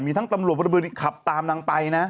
มีทั้งตำรวจที่ขับตามนางไปนะ